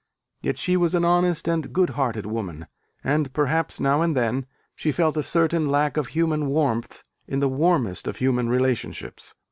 Yet she was an honest and good hearted woman; and perhaps, now and then, she felt a certain lack of human warmth in the warmest of human relationships.